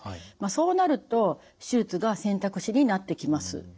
そうなると手術が選択肢になってきます。